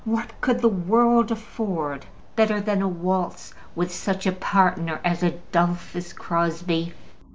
What could the world afford better than a waltz with such a partner as Adolphus Crosbie?